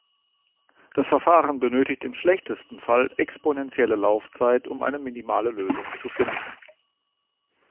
Das Verfahren benötigt im schlechtesten Fall exponentielle Laufzeit, um eine minimale Lösung zu finden.